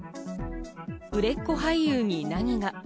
売れっ子俳優に何が？